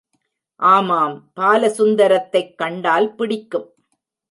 ஆமாம், பாலசுந்தரத்தைக் கண்டால் பிடிக்கும்.